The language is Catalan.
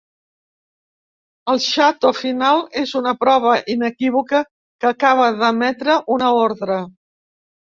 El xato final és una prova inequívoca que acaba d'emetre una ordre.